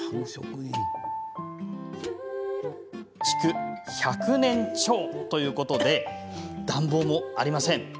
築１００年超ということで暖房もありません。